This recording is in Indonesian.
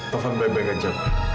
taufan baik baik aja